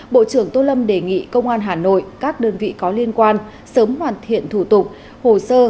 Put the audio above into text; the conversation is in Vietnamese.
bộ trưởng tô lâm đề nghị công an hà nội các đơn vị có liên quan sớm hoàn thiện thủ tục hồ sơ